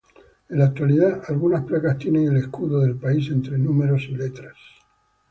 En la actualidad, algunas placas tienen el escudo del país entre números y letras.